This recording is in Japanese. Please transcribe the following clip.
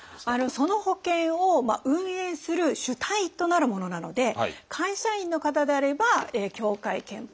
その保険を運営する主体となるものなので会社員の方であれば協会けんぽとか組合健保。